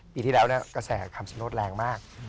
ปีที่แล้วกระแสคำชโนธแรงมาก